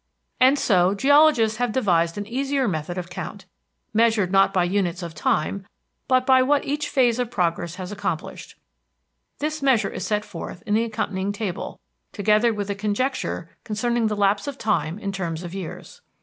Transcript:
And so geologists have devised an easier method of count, measured not by units of time, but by what each phase of progress has accomplished. This measure is set forth in the accompanying table, together with a conjecture concerning the lapse of time in terms of years.